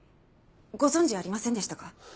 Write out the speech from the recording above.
ご存じありませんでしたか？